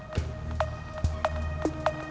punya anak kembar